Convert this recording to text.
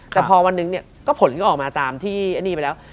แต่พอวันหนึ่งเนี่ยก็ผลก็ออกมาตามที่ไอ้นี่ไปแล้ว